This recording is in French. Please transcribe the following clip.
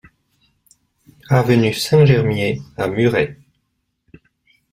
Avenue Saint-Germier à Muret